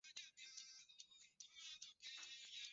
wanajeshi wa Rwanda na kwamba kamanda wao ni Luteni